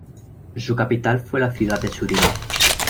Su capital fue la ciudad de Surigao.